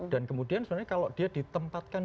dan kemudian sebenarnya kalau dia ditempatkan